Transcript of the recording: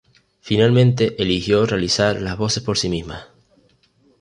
Finalmente, eligió realizar las voces por sí misma.